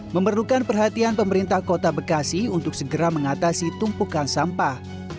memerlukan perhatian pemerintah kota bekasi untuk segera mengatasi tumpukan sampah